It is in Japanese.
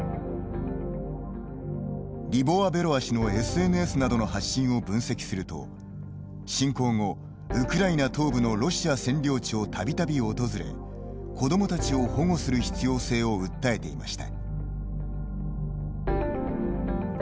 リボワベロワ氏のＳＮＳなどの発信を分析すると侵攻後、ウクライナ東部のロシア占領地をたびたび訪れ子どもたちを保護する必要性を訴えていました。